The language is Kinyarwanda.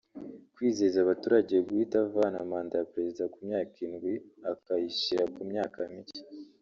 Kwizeza abaturage guhita avana manda ya perezida ku myaka indwi akayishyira ku myaka mike